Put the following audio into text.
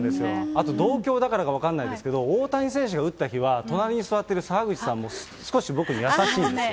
あと同郷だからか分かんないですけれども、大谷選手が打った日は、隣に座ってる澤口さんも少し僕に優しいんですよ。